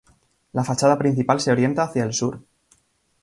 La fachada principal se orienta hacia el sur.